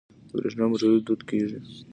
د بریښنا موټرې دود کیږي.